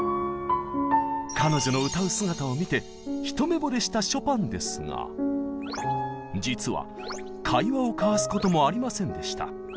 彼女の歌う姿を見て一目ぼれしたショパンですが実は会話を交わすこともありませんでした。